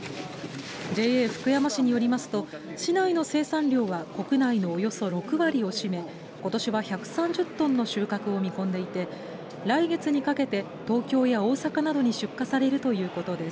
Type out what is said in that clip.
ＪＡ福山市によりますと市内の生産量は国内のおよそ６割を占めことしは１３０トンの収穫を見込んでいて来月にかけて東京や大阪などに出荷されるということです。